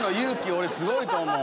俺すごいと思う。